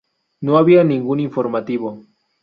No había ningún informativo.